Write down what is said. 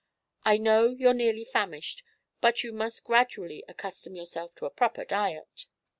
I know you're nearly famished, but you must gradually accustom yourself to a proper diet."